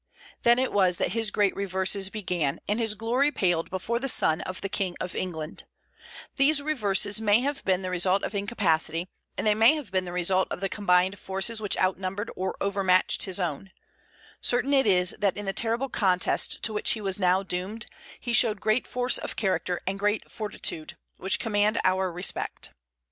Then it was that his great reverses began, and his glory paled before the sun of the King of England, These reverses may have been the result of incapacity, and they may have been the result of the combined forces which outnumbered or overmatched his own; certain it is that in the terrible contest to which he was now doomed, he showed great force of character and great fortitude, which command our respect.